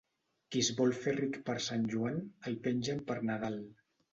Qui es vol fer ric per Sant Joan, el pengen per Nadal.